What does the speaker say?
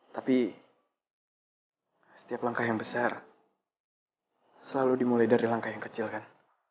tapi setiap langkah yang besar selalu dimulai dari langkah yang kecil kan